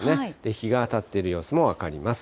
日が当たっている様子も分かります。